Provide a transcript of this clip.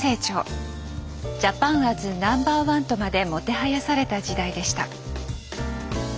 「ジャパンアズＮｏ．１」とまでもてはやされた時代でした。